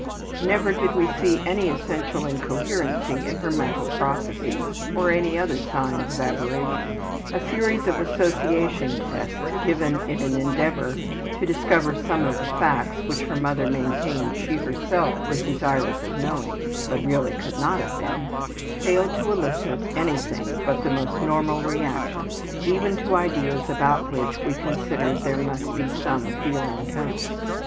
Never did we see any essential incoherency in her mental processes, or any other signs of aberration. A series of association tests given in an endeavor to discover some of the facts which her mother maintained she herself was desirous of knowing (but really could not have been), failed to elicit anything but the most normal reactions, even to ideas about which we considered there must be some feeling tone.